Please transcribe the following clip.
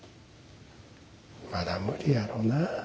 まだ無理やろな。